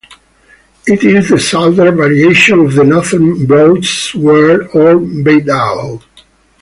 It is the southern variation of the "northern broadsword", or Beidao.